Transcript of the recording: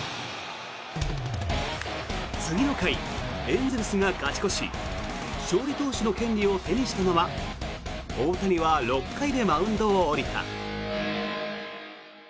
次の回、エンゼルスが勝ち越し勝利投手の権利を手にしたまま大谷は６回でマウンドを降りた。